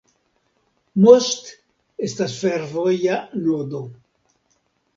Most estas fervoja nodo.